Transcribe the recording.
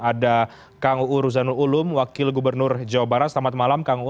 ada kang uruzanul ulum wakil gubernur jawa barat selamat malam kang uruzanul ulum